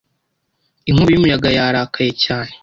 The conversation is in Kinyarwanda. Inkubi y'umuyaga yarakaye cyane.